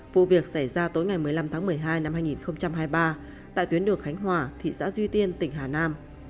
vụ việc xảy ra tối ngày một mươi năm tháng một mươi hai năm hai nghìn hai mươi ba tại tuyến đường khánh hòa thị xã duy tiên tỉnh hà nam